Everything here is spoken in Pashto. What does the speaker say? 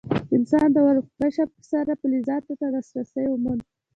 انسان د اور په کشف سره فلزاتو ته لاسرسی وموند.